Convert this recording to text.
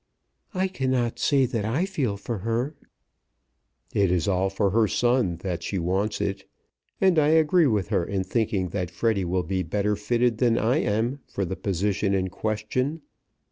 "I cannot say that I feel for her." "It is all for her son that she wants it; and I agree with her in thinking that Freddy will be better fitted than I am for the position in question.